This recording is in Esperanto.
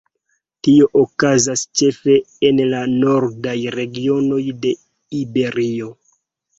Tio okazas ĉefe en la nordaj regionoj de Iberio.